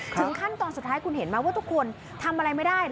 ขั้นตอนสุดท้ายคุณเห็นไหมว่าทุกคนทำอะไรไม่ได้